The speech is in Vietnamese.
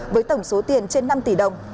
với tổng số tiền trên năm tỷ đồng